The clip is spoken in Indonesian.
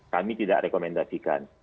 kami tidak rekomendasikan